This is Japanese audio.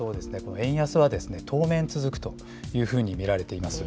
円安は、当面続くというふうに見られています。